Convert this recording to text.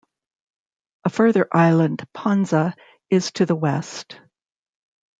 A further island, Ponza, is to the west.